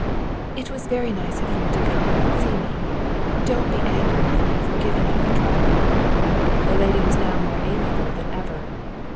"It was very nice of you to come and see me. Don't be angry with me for giving you the trouble." The lady was now more amiable than ever.